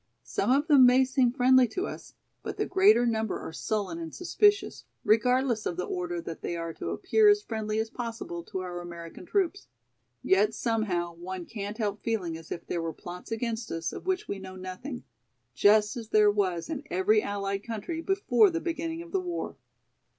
Some of them may seem friendly to us, but the greater number are sullen and suspicious, regardless of the order that they are to appear as friendly as possible to our American troops. Yet somehow one can't help feeling as if there were plots against us of which we know nothing, just as there was in every allied country before the beginning of the war."